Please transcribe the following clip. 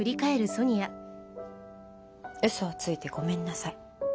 ウソをついてごめんなさい。